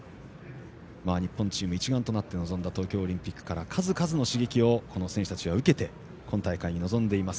日本チーム一丸となって臨んだ東京オリンピックから数々の刺激を選手たちは受けて今大会に臨んでいます。